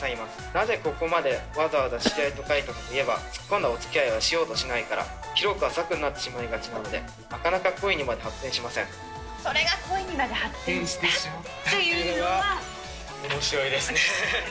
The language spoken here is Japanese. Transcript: なぜここまでわざわざ知り合いと書いたかといえば、突っ込んだおつきあいをしようとしないから、広く浅くになってしまいがちなので、なかなか恋にまで発展しませそれが恋にまで発展したといおもしろいですね。